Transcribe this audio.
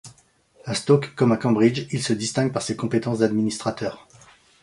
À Stoke comme à Cambridge, il se distingue par ses compétences d'administrateur.